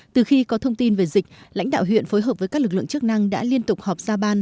từ khi có thông tin về dịch lãnh đạo huyện phối hợp với các lực lượng chức năng đã liên tục họp ra ban